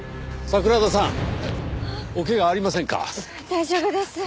大丈夫です。